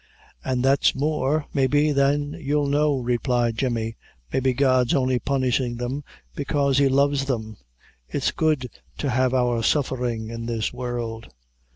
"An' that's more, maybe, than you know," replied Jemmy. "Maybe God's only punishing them, bekaise he loves them. It's good to have our suffering in this world."